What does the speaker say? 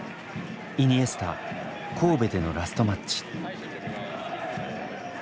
イニエスタ神戸でのラストマッチ。